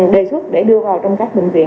đề xuất để đưa vào trong các bệnh viện